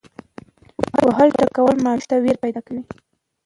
وهل ټکول ماشوم ویره پیدا کوي.